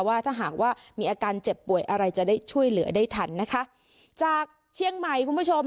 ว่าถ้าหากว่ามีอาการเจ็บป่วยอะไรจะได้ช่วยเหลือได้ทันนะคะจากเชียงใหม่คุณผู้ชม